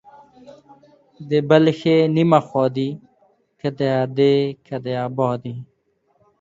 د بل ښې نيمه خوا دي ، که د ادې که د بابا دي.